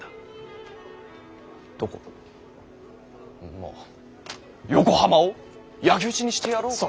まぁ横浜を焼き討ちにしてやろうと。